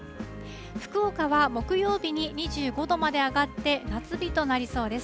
福岡は木曜日に２５度まで上がって、夏日となりそうです。